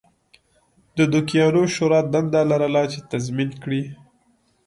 د دوکیانو شورا دنده لرله چې تضمین کړي